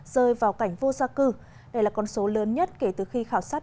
rơi vào cảnh vô gia cư đây là con số lớn nhất kể từ khi khảo sát